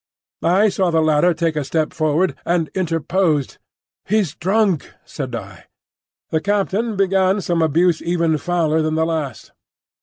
I saw the latter take a step forward, and interposed. "He's drunk," said I. The captain began some abuse even fouler than the last.